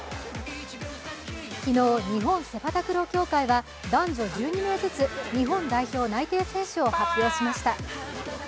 昨日、日本セパタクロー協会は男女１２名ずつ日本代表内定選手を発表しました。